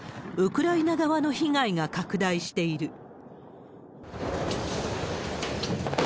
ウクライナ側の被害が拡大している。